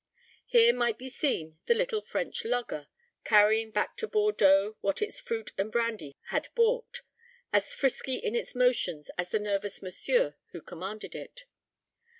Here might be seen the little French lugger, carrying back to Bordeaux what its fruit and brandy had bought, as frisky in its motions as the nervous monsieur who commanded it.